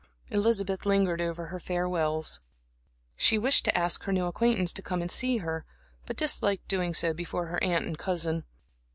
Elizabeth lingered over her farewells. She wished to ask her new acquaintance to come to see her, but disliked doing so before her aunt and cousin.